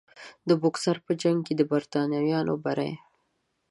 د بوکسر په جنګ کې د برټانویانو بری.